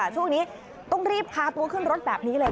ช่วงนี้ต้องรีบพาตัวขึ้นรถแบบนี้เลยค่ะ